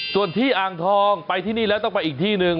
ส่วนที่อ่างทองไปที่นี่แล้วต้องไปอีกที่หนึ่ง